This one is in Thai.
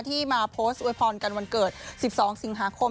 ที่มาโพสต์อวยพรกันวันเกิด๑๒สิงหาคม